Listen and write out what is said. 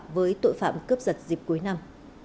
với tội phạm cướp giật dịp cuối năm